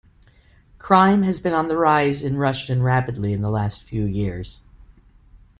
Crime has been on the rise in Rushden rapidly in the last few years.